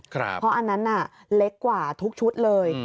เพราะอันนั้นเล็กกว่าทุกชุดเลย